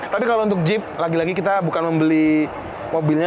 tapi kalau untuk jeep lagi lagi kita bukan membeli mobilnya